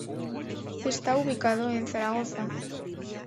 Está ubicado en Zaragoza.